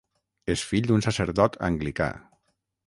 És fill d'un sacerdot anglicà.